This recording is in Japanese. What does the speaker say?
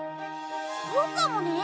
そうかもね！